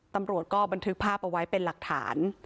ตำรวจก็บันทึกภาพเอาไว้เป็นหลักฐาน